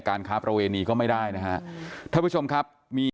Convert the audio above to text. ค้าประเวณีก็ไม่ได้นะฮะท่านผู้ชมครับมี